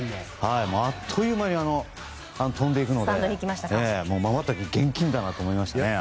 あっという間に飛んでいくのでまばたき厳禁だなと思いましたね。